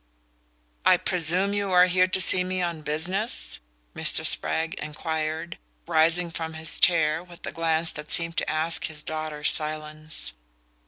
"I presume you're here to see me on business?" Mr. Spragg enquired, rising from his chair with a glance that seemed to ask his daughter's silence.